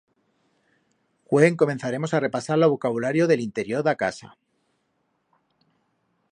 Hue encomenzaremos a repasar lo vocabulario de l'interior d'a casa.